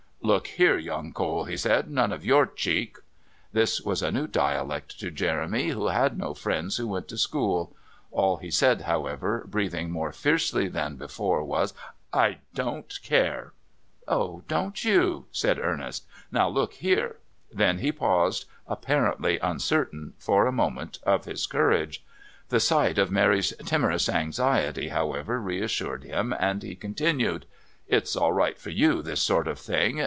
"Look here, young Cole," he said, "none of your cheek." This was a new dialect to Jeremy, who had no friends who went to school. All he said, however, breathing more fiercely than before, was: "I don't care " "Oh, don't you?" said Ernest. "Now, look here " Then he paused, apparently uncertain, for a moment, of his courage. The sight of Mary's timorous anxiety, however, reassured him, and he continued: "It's all right for you, this sort of thing.